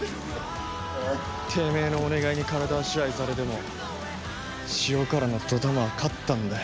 てめえのお願いに体は支配されてもシオカラのドタマは勝ったんだよ。